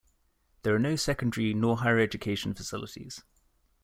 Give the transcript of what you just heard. There are no secondary nor higher education facilities.